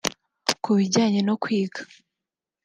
Ku bijyanye no kwiga